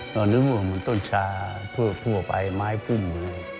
แล้วเริ่มรู้ว่ามันต้นชาเพื่อพูดออกไปไม้พึ่ง